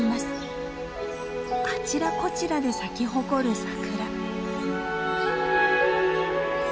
あちらこちらで咲き誇る桜。